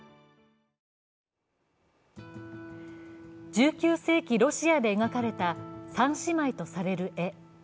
１９世紀、ロシアで描かれた「三姉妹」とされる絵。